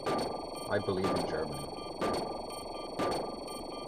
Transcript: I believe in Germany.